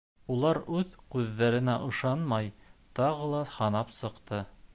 Улар үҙ күҙҙәренә ышанмай тағы ла һанап сыҡты.